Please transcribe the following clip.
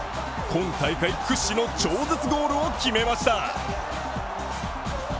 今大会屈指の超絶ゴールを決めました。